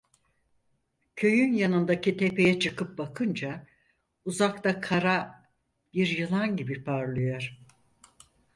Köyün yanındaki tepeye çıkıp bakınca, uzakta kara bir yılan gibi parlıyor.